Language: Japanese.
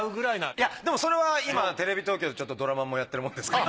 いやでもそれは今テレビ東京でちょっとドラマもやってるもんですから。